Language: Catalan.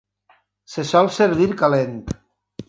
Se sol servir calent.